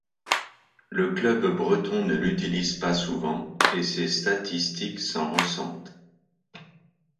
Le club breton ne l'utilise pas souvent et ses statistiques s'en ressentent.